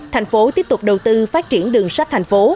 thành phố tiếp tục đầu tư phát triển đường sách thành phố